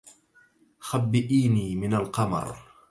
خبِّئيني.. من القمر!